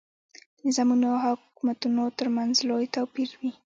د نظامونو او حکومتونو ترمنځ لوی توپیر وي.